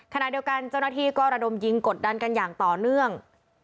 ขณะเดียวกันเจ้าหน้าที่ก็ระดมยิงกดดันกันอย่างต่อเนื่อง